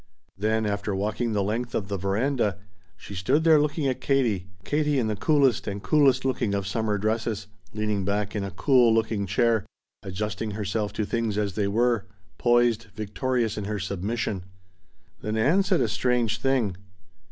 Then, after walking the length of the veranda, she stood there looking at Katie: Katie in the coolest and coolest looking of summer dresses, leaning back in a cool looking chair adjusting herself to things as they were, poised, victorious in her submission. Then Ann said a strange thing.